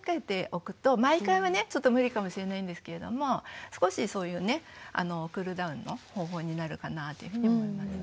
毎回はねちょっと無理かもしれないんですけれども少しそういうねクールダウンの方法になるかなというふうに思います。